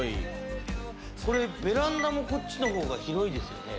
これベランダもこっちの方が広いですよね